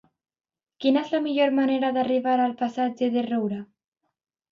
Quina és la millor manera d'arribar al passatge de Roura?